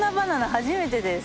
初めてです。